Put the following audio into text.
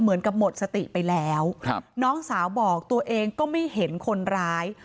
เหมือนกับหมดสติไปแล้วครับน้องสาวบอกตัวเองก็ไม่เห็นคนร้าย